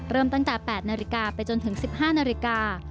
เริ่มตั้งแต่๘นาฬิกาไปจนถึง๑๕นาฬิกา